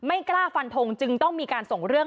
ทีนี้จากรายทื่อของคณะรัฐมนตรี